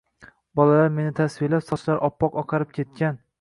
Bolalar meni tasvirlab: “Sochlari oppoq oqarib ketgan